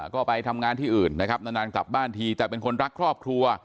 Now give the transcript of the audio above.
ก็ไปทำงานที่อื่นนะครับนานกลับบ้านทีแต่เป็นคนรักครอบครัว